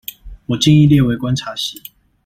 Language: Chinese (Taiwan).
我建議列為觀察席